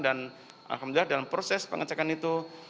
dan alhamdulillah dalam proses pengecekan itu